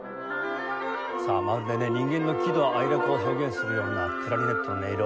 さあまるでね人間の喜怒哀楽を表現するようなクラリネットの音色。